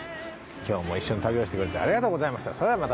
今日も一緒に旅をしてくれてありがとうございました。